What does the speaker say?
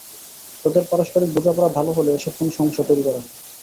তাঁদের পারস্পরিক বোঝাপড়া ভালো হলে এসব কোনো সমস্যা তৈরি করে না।